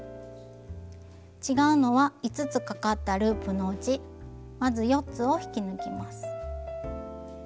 違うのは５つかかったループのうちまず４つを引き抜きます。